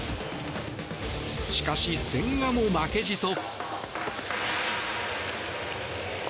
しかし、千賀も負けじと。